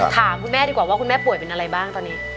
ถามคุณแม่ดีกว่าว่าคุณแม่ป่วยเป็นอะไรบ้างตอนนี้